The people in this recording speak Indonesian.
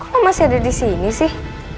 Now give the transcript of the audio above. kok lo masih ada disini sih